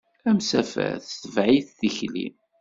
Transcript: Amsafer tetbeɛ-it tikli.